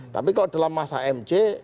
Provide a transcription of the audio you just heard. tapi kalau dalam masa mc